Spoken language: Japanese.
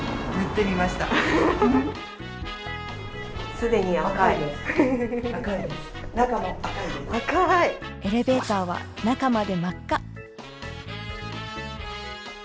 既にエレベーターは中まで真っ赤。